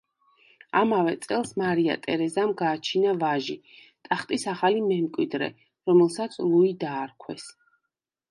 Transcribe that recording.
ამავე წელს მარია ტერეზამ გააჩინა ვაჟი, ტახტის ახალი მემკვიდრე, რომელსაც ლუი დაარქვეს.